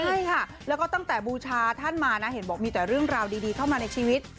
ใช่ค่ะแล้วก็ตั้งแต่บูชาท่านมานะเห็นบอกมีแต่เรื่องราวดีเข้ามาในชีวิต